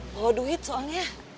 bawa duit soalnya